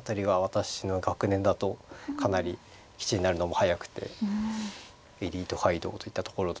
辺りが私の学年だとかなり棋士になるのも早くてエリート街道といったところだったと思うので。